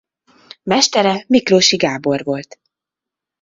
Mestere Miklóssy Gábor volt.